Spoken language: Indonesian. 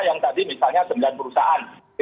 yang tadi misalnya sembilan perusahaan